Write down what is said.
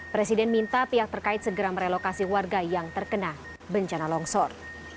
presiden minta pihak terkait segera merelokasi warga yang terkena bencana longsor